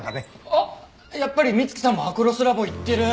あっやっぱり美月さんもアクロスラボ行ってる！